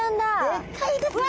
でっかいですね。